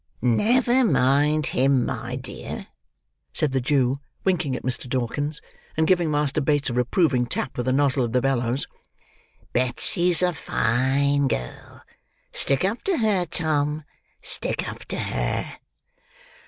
"Never mind him, my dear," said the Jew, winking at Mr. Dawkins, and giving Master Bates a reproving tap with the nozzle of the bellows. "Betsy's a fine girl. Stick up to her, Tom. Stick up to her."